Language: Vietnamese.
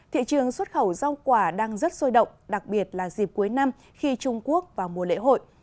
thị trường xuất khẩu rau quả đang rất sôi động đặc biệt là dịp cuối năm khi trung quốc vào mùa lễ hội